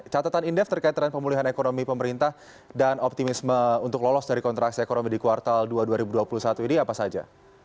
catatan indef terkait tren pemulihan ekonomi pemerintah dan optimisme untuk lolos dari kontraksi ekonomi di kuartal dua dua ribu dua puluh satu ini apa saja